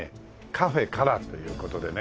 カフェからという事でね。